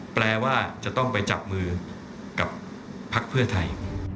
แปลว่าจะต้องไปจับมือกับพักเพื่อไทย